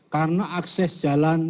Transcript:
karena akses jalan banyak